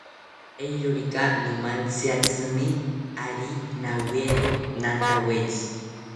Eeerorika nomantziatzimi, ari nawiero nantawetzi